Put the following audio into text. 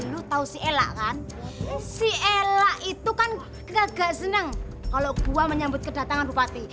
lu tahu si ella kan si ella itu kan enggak seneng kalau gua menyambut kedatangan bupati